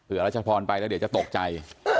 เผื่อราชพรไปแล้วเดี๋ยวจะตกใจ